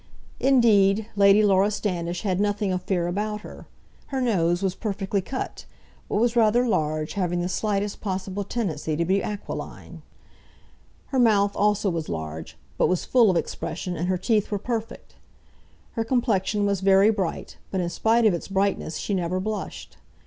Indeed, Lady Laura Standish had nothing of fear about her. Her nose was perfectly cut, but was rather large, having the slightest possible tendency to be aquiline. Her mouth also was large, but was full of expression, and her teeth were perfect. Her complexion was very bright, but in spite of its brightness she never blushed.